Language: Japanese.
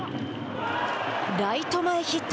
ライト前ヒット。